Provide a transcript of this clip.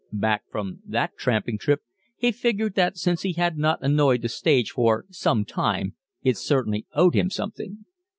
Back from that tramping trip, he figured that since he had not annoyed the stage for some time it certainly owed him something.